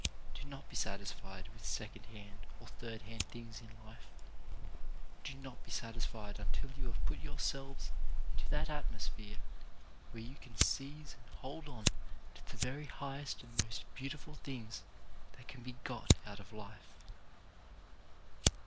Do not be satisfied with second hand or third hand things in life. Do not be satisfied until you have put yourselves into that atmosphere where you can seize and hold on to the very highest and most beautiful things that can be got out of life.